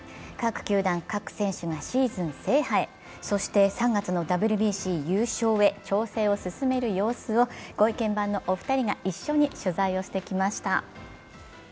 各球団・各選手がシーズン制覇へ、そして３月のＷＢＣ優勝へ調整を進める様子を御意見番のお二人が、一緒に取材をしてきました。